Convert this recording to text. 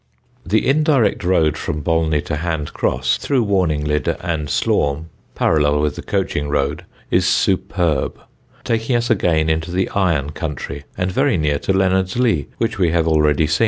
The indirect road from Bolney to Hand Cross, through Warninglid and Slaugham (parallel with the coaching road), is superb, taking us again into the iron country and very near to Leonardslee, which we have already seen.